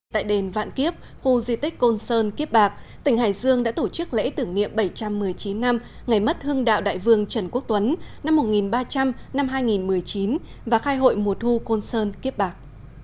tại đền vạn kiếp khu di tích côn sơn kiếp bạc tỉnh hải dương đã tổ chức lễ tưởng niệm bảy trăm một mươi chín năm ngày mất hương đạo đại vương trần quốc tuấn năm một nghìn ba trăm linh hai nghìn một mươi chín và khai hội mùa thu côn sơn kiếp bạc